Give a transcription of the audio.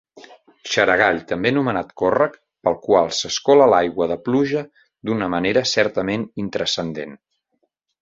Xaragall també anomenat córrec, pel qual s'escola l'aigua de pluja d'una manera certament intranscendent.